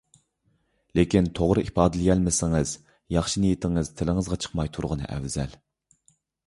لېكىن توغرا ئىپادىلىيەلمىسىڭىز ياخشى نىيىتىڭىز تىلىڭىزغا چىقماي تۇرغىنى ئەۋزەل.